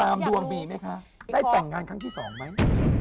ดวงมีไหมคะได้แต่งงานครั้งที่สองไหม